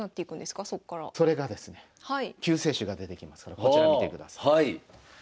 救世主が出てきますからこちら見てください。